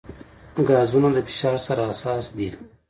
ګازونه د فشار سره حساس دي.